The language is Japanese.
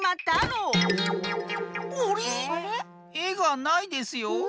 えがないですよ。